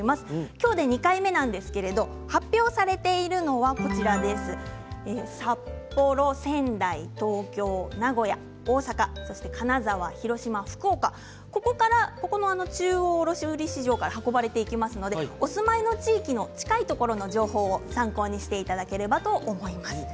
今日で２回目なんですけれど発表されているのは札幌、仙台、東京、名古屋、大阪金沢、広島、福岡ここの中央卸売市場から運ばれていきますのでお住まいの地域の近いところの情報を参考にしていただければと思います。